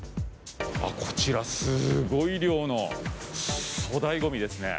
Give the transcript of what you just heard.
こちら、すごい量の粗大ごみですね。